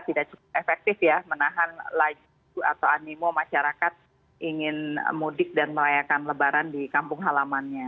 tidak cukup efektif ya menahan laju atau animo masyarakat ingin mudik dan merayakan lebaran di kampung halamannya